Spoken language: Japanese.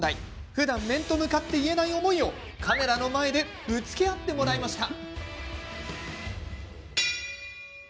ふだん面と向かって言えない思いをカメラの前でぶつけ合ってもらいました。